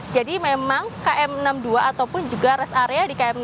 jadi memang km enam puluh dua ataupun juga rest area di km enam puluh dua